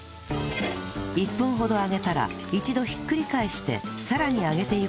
１分ほど揚げたら一度ひっくり返してさらに揚げていくのですが